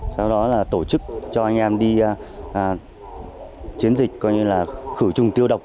sau đó là tổ chức cho anh em đi chiến dịch coi như là khử trùng tiêu độc